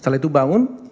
setelah itu bangun